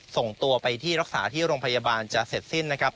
ส่งตัวไปที่รักษาที่โรงพยาบาลจะเสร็จสิ้นนะครับ